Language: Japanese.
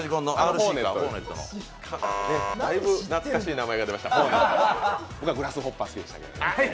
だいぶ懐かしい名前が出ました。